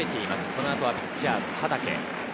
このあとはピッチャー・畠。